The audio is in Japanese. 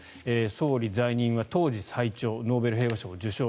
総理在任は当時最長ノーベル平和賞を受賞。